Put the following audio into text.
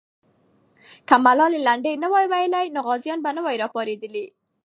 که ملالۍ لنډۍ نه وای ویلې، نو غازیان به نه وای راپارېدلي.